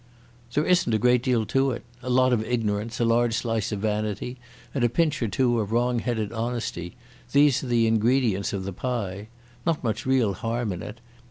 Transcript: "There isn't a great deal to it. A lot of ignorance, a large slice of vanity, and a pinch or two of wrong headed honesty—these are the ingredients of the pie. Not much real harm in it.